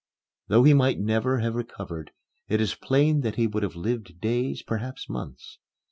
Though he might never have recovered, it is plain that he would have lived days, perhaps months.